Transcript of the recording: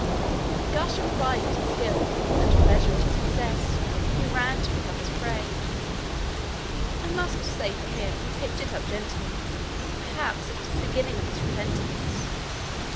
With a gush of pride at his skill, and pleasure at his success, he ran to pick up his prey. I must say for him he picked it up gently perhaps it was the beginning of his repentance.